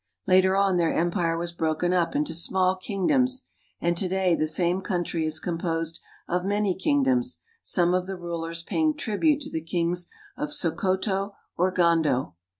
Later on their empire was broken up into small kingdoms, and to day the same country is com posed of many kingdoms, some of the rulers paying tribute to the kings of Sokoto or Gando.